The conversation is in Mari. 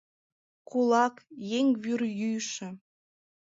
— Кулак, еҥ вӱр йӱшӧ!